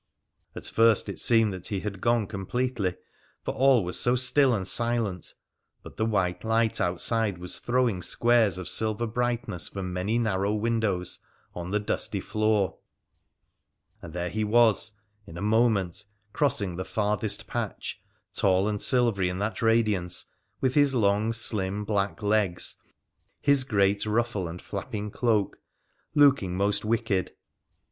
At first it seemed that he had gone completely, for all was so still and silent ; but the white light outside was throwing squares of silver brightness from many narrow windows on the dusty floor — and there he was, in a moment, crossing the farthest patch, tall and silvery in that radiance, with his long, slim black leg3, his great ruffle, and flapping cloak — looking most wicked.